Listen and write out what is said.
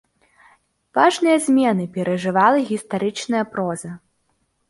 Важныя змены перажывала гістарычная проза.